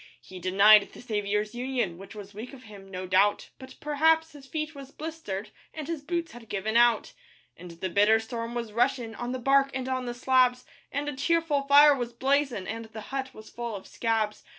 He denied the Saviour's union, Which was weak of him, no doubt; But perhaps his feet was blistered And his boots had given out. And the bitter storm was rushin' On the bark and on the slabs, And a cheerful fire was blazin', And the hut was full of 'scabs.